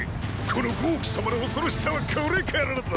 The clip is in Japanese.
この豪紀様の恐ろしさはこれからだ！